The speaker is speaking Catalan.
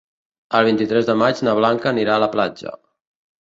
El vint-i-tres de maig na Blanca anirà a la platja.